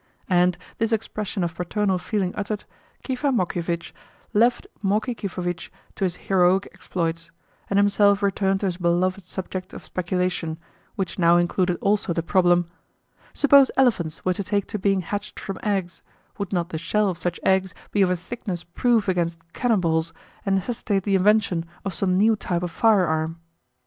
And, this expression of paternal feeling uttered, Kifa Mokievitch left Moki Kifovitch to his heroic exploits, and himself returned to his beloved subject of speculation, which now included also the problem, "Suppose elephants were to take to being hatched from eggs, would not the shell of such eggs be of a thickness proof against cannonballs, and necessitate the invention of some new type of firearm?"